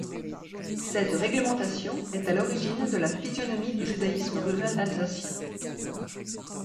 Cette réglementation est à l’origine de la physionomie du judaïsme rural alsacien.